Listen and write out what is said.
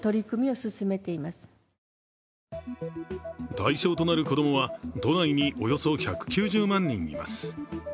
対象となる子供は都内におよそ１９０万人います。